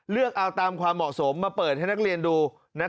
เลือกเอาตามความเหมาะสมมาเปิดให้นักเรียนดู